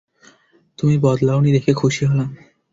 তুমি বদলাওনি দেখে খুশি হলাম।